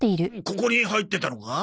ここに入ってたのか？